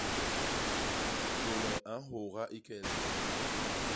Tôle a nhôôga i kel.